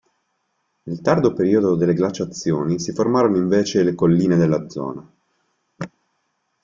Nel tardo periodo delle glaciazioni, si formarono invece le colline della zona.